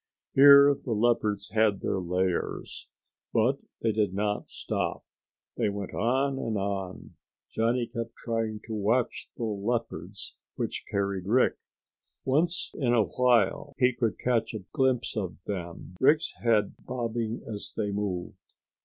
Here the leopards had their lairs. But they did not stop. They went on and on. Johnny kept trying to watch the leopards which carried Rick. Once in a while he could catch a glimpse of them, Rick's head bobbing as they moved.